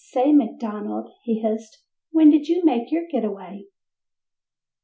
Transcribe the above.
"Say, McDonald," he hissed, "when did you make your getaway?"